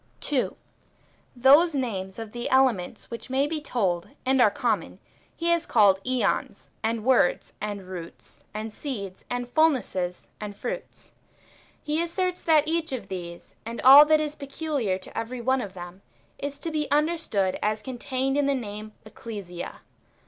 ^ 2. Those names of the elements which may be told, and are common, he has called iEons, and words, and roots, and seeds, and fulnesses, and fruits. He asserts that each of these, and all that is peculiar to every one of them, is to be understood as contained in the name Ecclesia.